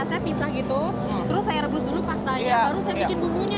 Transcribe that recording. saya pisah gitu terus saya rebus dulu pastanya baru saya bikin bumbunya